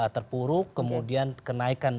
terpuruk kemudian kenaikan